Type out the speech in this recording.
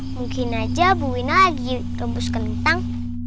mungkin aja bu wina lagi rebus kentang